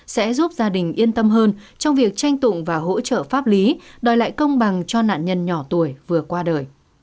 sẽ giúp gia đình yên tâm hơn trong việc tranh tụng và hỗ trợ pháp lý đòi lại công bằng cho nạn nhân nhỏ tuổi vừa qua đời